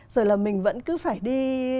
rồi là mình vẫn cứ phải đi